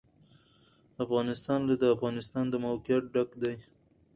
افغانستان له د افغانستان د موقعیت ډک دی.